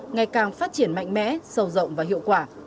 ngày càng phát triển mạnh mẽ sâu rộng và hiệu quả